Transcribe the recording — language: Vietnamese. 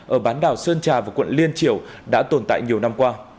ở bán đảo sơn trà và quận liên triều đã tồn tại nhiều năm qua